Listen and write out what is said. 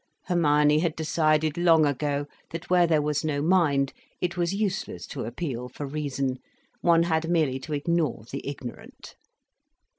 Hermione had decided long ago that where there was no mind, it was useless to appeal for reason—one had merely to ignore the ignorant.